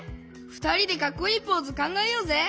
ふたりでかっこいいポーズかんがえようぜ！